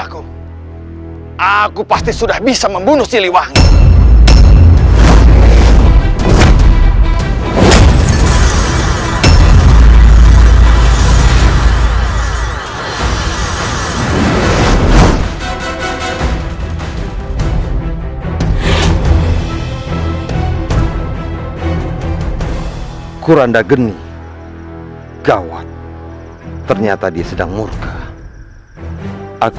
kau pasti bagian dari rencana ini untuk mengkhianatiku